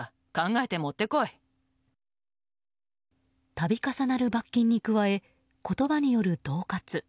度重なる罰金に加え言葉による恫喝。